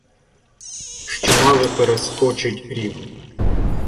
Що мали перескочить рів.